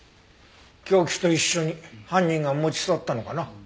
凶器と一緒に犯人が持ち去ったのかな？